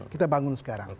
kita bangun sekarang